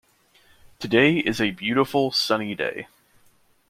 Today is a beautiful sunny day.